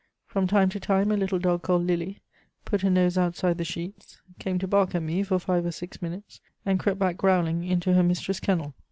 From time to time a little dog called Lili put her nose outside the sheets, came to bark at me for five or six minutes, and crept back growling into her mistress' kennel.